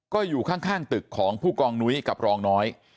ก็อยู่ข้างตึกของผู้กองนุ้ยกับรองน้อย